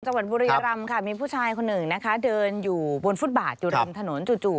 บุรีรำค่ะมีผู้ชายคนหนึ่งนะคะเดินอยู่บนฟุตบาทอยู่ริมถนนจู่